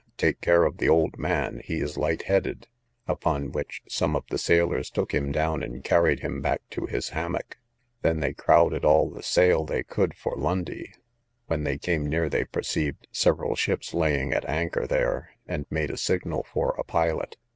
take care of the old man, he is light headed: upon which, some of the sailors took him down, and carried him back to his hammock. They then crowded all the sail they could for Lundy. When they came near, they perceived several ships laying at anchor there, and made a signal for a pilot.